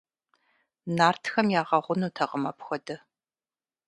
Нартхэм ягъэгъунутэкъым апхуэдэ.